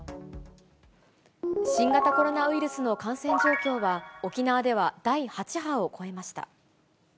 新型コロナウイルスの感染状況は、沖縄では第８波を超えました。